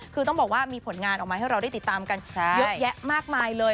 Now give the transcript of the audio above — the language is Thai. คือต้องบอกว่ามีผลงานออกมาให้เราได้ติดตามกันเยอะแยะมากมายเลย